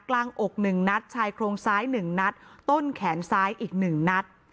อก๑นัดชายโครงซ้าย๑นัดต้นแขนซ้ายอีก๑นัด